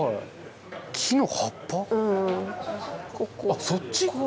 あっそっち？